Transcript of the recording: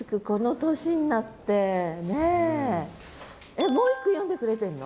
えっもう１句詠んでくれてるの？